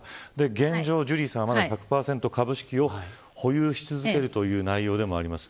現状、ジュリーさんは１００％株主を保有し続けるという内容でもあります。